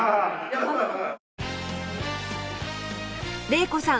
玲子さん